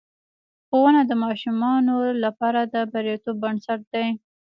ښوونه د ماشومانو لپاره د بریالیتوب بنسټ دی.